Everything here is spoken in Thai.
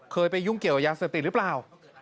ไปยุ่งเกี่ยวกับยาเสพติดหรือเปล่า